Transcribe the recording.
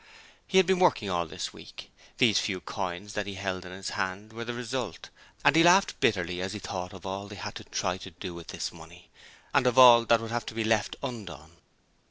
He had been working all this week. These few coins that he held in his hand were the result, and he laughed bitterly as he thought of all they had to try to do with this money, and of all that would have to be left undone.